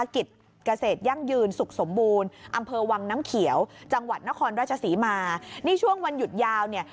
แขมน้ำเขียวจังหวัดนครราชสีมานี่ช่วงวันหยุดยาวเนี้ย